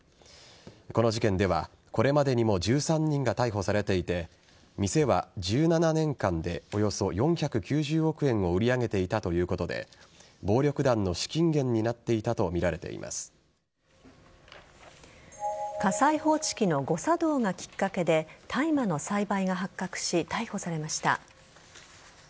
この事件ではこれまでにも１３人が逮捕されていて店は１７年間でおよそ４９０億円を売り上げていたということで暴力団の資金源になっていたと火災報知器の誤作動がきっかけで大麻の栽培が発覚し逮捕されました。